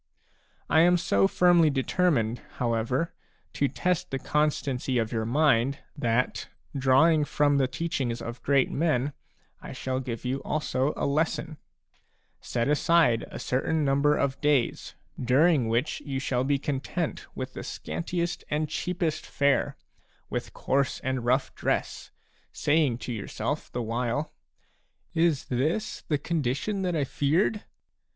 I am so firmly determined, however, to test the constancy of your mind that, drawing from the teachings of great men, I shall give you also a lesson : Set aside a certain number of days, during which you shall be content with the scantiest and cheapest fare, with coarse and rough dress, saying to yourself the while :" Is this the condition 1 that I feared